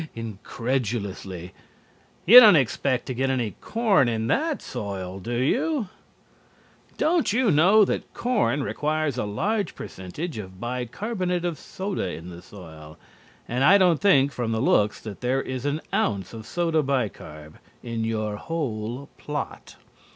incredulously. "You don't expect to get any corn in that soil do you? Don't you know that corn requires a large percentage of bi carbonate of soda in the soil, and I don't think, from the looks, that there is an ounce of soda bi carb. in your whole plot.